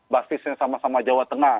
basisnya sama sama jawa tengah